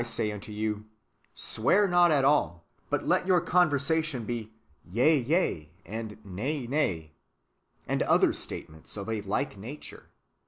But I say unto you, Swear not at all ; but let your conversation be. Yea, yea, and Nay, nay." ^ And other statements of a like nature.